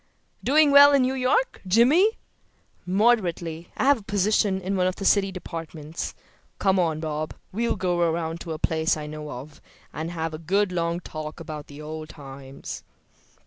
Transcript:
"Doing well in New York, Jimmy?" "Moderately. I have a position in one of the city departments. Come on, Bob; we'll go around to a place I know of, and have a good long talk about old times."